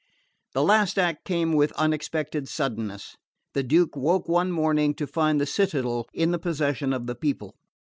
The last act came with unexpected suddenness. The Duke woke one morning to find the citadel in the possession of the people.